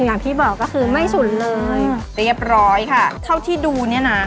อย่างที่บอกก็คือไม่ฉุนเลยเรียบร้อยค่ะเท่าที่ดูเนี่ยนะ